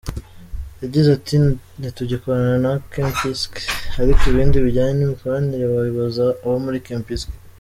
Yagize ati “Ntitugikorana na Kempinski, ariko ibindi bijyanye n’imikoranire wabibaza abo muri Kempinski.